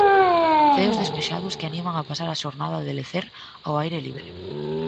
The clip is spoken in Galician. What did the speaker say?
Ceos despexados que animan a pasar a xornada de lecer ao aire libre.